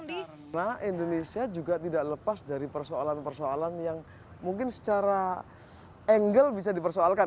karena indonesia juga tidak lepas dari persoalan persoalan yang mungkin secara angle bisa dipersoalkan